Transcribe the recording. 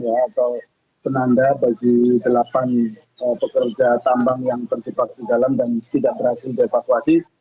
atau penanda bagi delapan pekerja tambang yang terjebak di dalam dan tidak berhasil dievakuasi